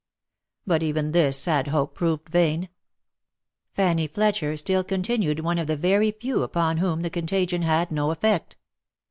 But even this sad hope proved vain. Fanny Fletcher still conti nued one of the very few upon whom the contagion had no effect.